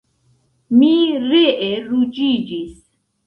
Mi ree ruĝiĝis.